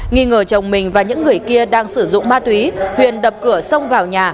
nghi ngờ chồng mình và những người kia đang sử dụng ma túy huyền đập cửa sông vào nhà